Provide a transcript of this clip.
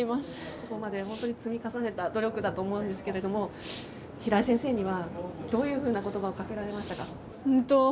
ここまで本当に積み重ねた努力だと思うんですけれども平井先生には、どういう言葉をかけられましたか？